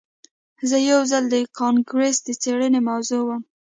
زه یو ځل د کانګرس د څیړنې موضوع وم